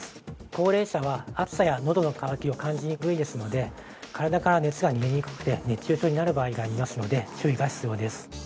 高齢者は暑さやのどの渇きを感じにくいですので体から熱が逃げにくくて熱中症になる場合がありますので注意が必要です。